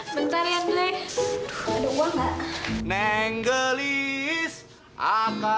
bentar ya ndre aduh ada uang gak